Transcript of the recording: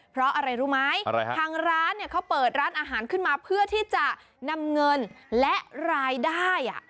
เพราะอะไรรู้ไหมทางร้านเนี่ยเขาเปิดร้านอาหารขึ้นมาเพื่อที่จะนำเงินและรายได้